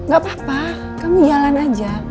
gak apa apa kamu jalan aja